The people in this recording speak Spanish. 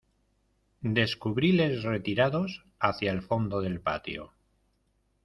descubríles retirados hacia el fondo del patio